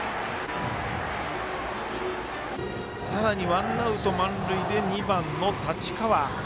さらにワンアウト、満塁で２番の太刀川。